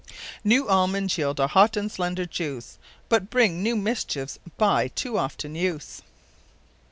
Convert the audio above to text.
_New Almonds yeild a Hot and slender juice, But bring new mischiefs by too often use.